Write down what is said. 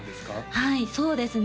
はいそうですね